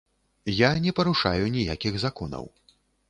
Я не парушаю ніякіх законаў.